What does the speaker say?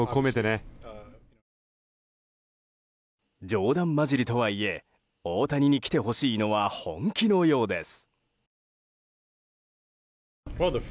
冗談交じりとはいえ大谷に来てほしいのは本気のようです。